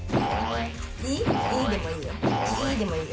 「イー」でもいいよ。